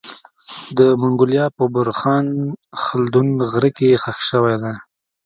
د منګولیا په بورخان خلدون غره کي خښ سوی دی